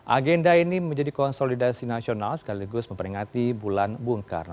agenda ini menjadi konsolidasi nasional sekaligus memperingati bulan bung karno